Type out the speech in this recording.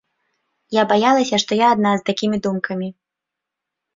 Я баялася, што я адна з такімі думкамі.